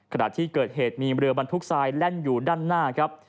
ขณะที่เกิดเหตุมีเรือบรรทุกทรายแล่นอยู่ด้านหน้าครับ